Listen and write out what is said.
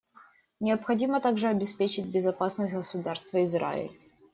Необходимо также обеспечить безопасность Государства Израиль.